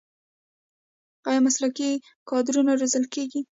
آیا مسلکي کادرونه روزل کیږي؟